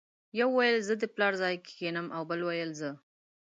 یو ویل زه پر پلار ځای کېنم او بل ویل زه.